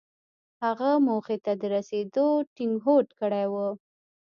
هغه موخې ته د رسېدو ټينګ هوډ کړی و.